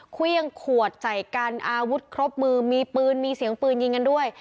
เครื่องขวดใส่กันอาวุธครบมือมีปืนมีเสียงปืนยิงกันด้วย